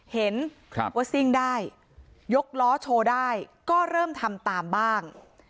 เห็นว่าซิ่งได้ยกล้อโชว์ได้ก็เริ่มทำตามบ้าง